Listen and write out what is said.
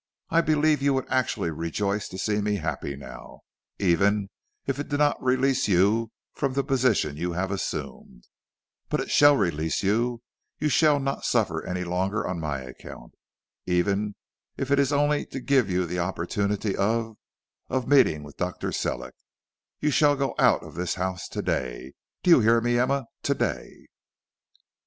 I believe you would actually rejoice to see me happy now, even if it did not release you from the position you have assumed. But it shall release you; you shall not suffer any longer on my account. Even if it is only to give you the opportunity of of meeting with Dr. Sellick, you shall go out of this house to day. Do you hear me, Emma, to day?"